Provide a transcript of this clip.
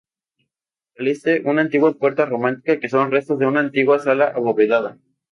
Al este, una antigua puerta románica que son restos de una antigua sala abovedada.